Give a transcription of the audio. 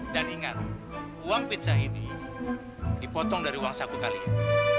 dan ingat uang pizza ini dipotong dari uang sabuk kalian